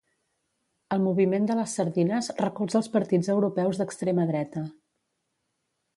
El moviment de les Sardines recolza els partits europeus d'extrema dreta.